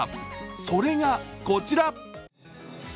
それが、こちら。